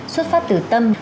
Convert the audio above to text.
xuất phát từ tâm